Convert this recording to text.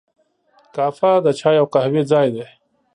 کافه د چای او قهوې ځای دی.